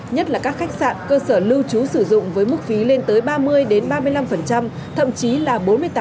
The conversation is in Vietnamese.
nhất là các khách sạn cơ sở lưu trú sử dụng với mức phí lên tới ba mươi ba mươi năm thậm chí là bốn mươi tám